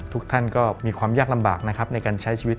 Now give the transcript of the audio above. ทุกท่านก็มีความยากลำบากนะครับในการใช้ชีวิต